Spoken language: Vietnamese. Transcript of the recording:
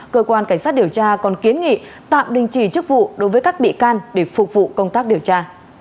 cơ quan cảnh sát điều tra còn kiến nghị tạm đình chỉ chức vụ đối với các bị can để phục vụ công tác điều tra